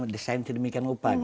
disain sedemikian rupa